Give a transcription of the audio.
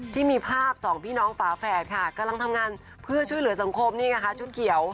ที่มีภาพสองพี่น้องฝาแฝดค่ะกำลังทำงานเพื่อช่วยเหลือสังคมนี่ไงคะชุดเขียว